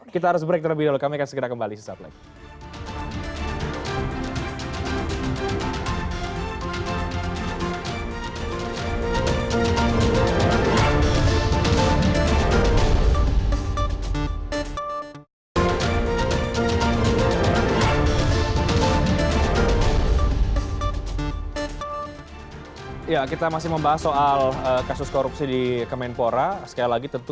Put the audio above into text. kita harus break terlebih dahulu